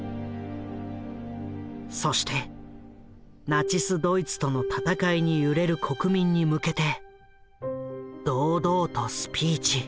そしてナチス・ドイツとの戦いに揺れる国民に向けて堂々とスピーチ。